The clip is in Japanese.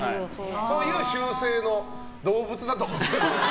そういう習性の動物だと思っていただければ。